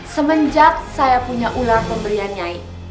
semenjak saya punya ular pemberian nyai